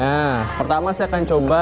nah pertama saya akan coba